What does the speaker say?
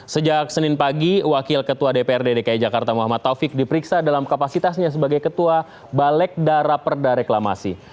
sejak senin pagi wakil ketua dprd dki jakarta muhammad taufik diperiksa dalam kapasitasnya sebagai ketua balekdara perda reklamasi